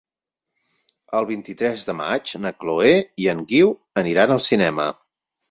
El vint-i-tres de maig na Chloé i en Guiu aniran al cinema.